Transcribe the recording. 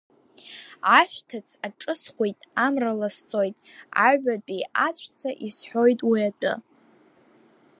Ашәҭыц аҿысхуеит, амра ласҵоит, аҩбатәи аҵәца исҳәоит уи атәы…